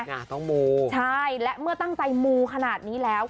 งาต้องมูใช่และเมื่อตั้งใจมูขนาดนี้แล้ว